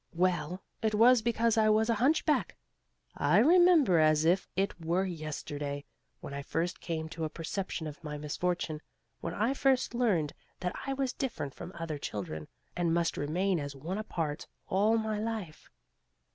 Well, it was because I was a hunchback! I remember as if it were yesterday, when I first came to a perception of my misfortune; when I first learned that I was different from other children, and must remain as one apart, all my life.